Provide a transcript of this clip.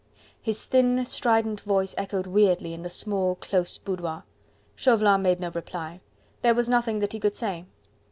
His thin, strident voice echoed weirdly in the small, close boudoir. Chauvelin made no reply. There was nothing that he could say.